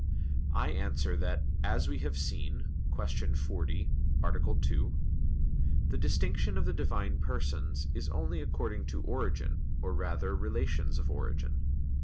I answer that, as we have seen (Q. 40, A. 2), the distinction of the Divine Persons is only according to origin, or, rather, relations of origin.